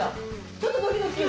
ちょっとドキドキする。